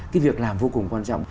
cái việc làm vô cùng quan trọng